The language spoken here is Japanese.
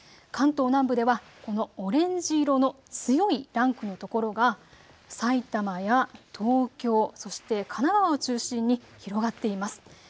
関東南部ではこのオレンジ色の強いランクの所が埼玉や東京、そして神奈川を中心に広がっています。